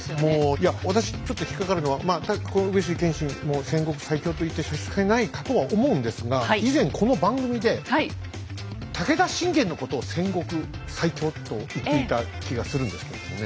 いや私ちょっと引っ掛かるのはこの上杉謙信も戦国最強と言って差し支えないかとは思うんですが以前この番組で武田信玄のことを「戦国最強」と言っていた気がするんですけれどもね。